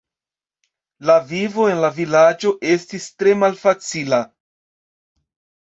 La vivo en la vilaĝo estis tre malfacila.